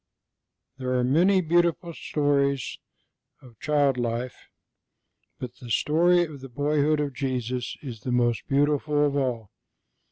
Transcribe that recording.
There are many beautiful stories of child life, but the story of the Boyhood of Jesus is the most beautiful of all.